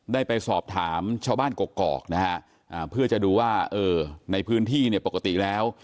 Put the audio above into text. ได้ไปสอบถามชาวบ้านกรกอกนะครับเพื่อจะดูว่าในพื้นที่ปกติแล้ว